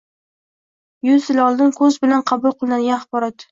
yuz yil oldin ko‘z bilan qabul qilinadigan axborot